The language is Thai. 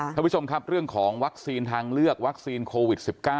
ท่านผู้ชมครับเรื่องของวัคซีนทางเลือกวัคซีนโควิด๑๙